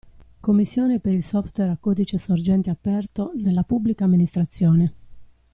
Commissione per il Software a Codice Sorgente Aperto nella Pubblica Amministrazione.